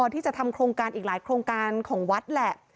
ที่จะทำโครงการอีกหลายโครงการของวัดแหละ